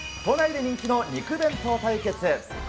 都内で人気の肉弁当対決。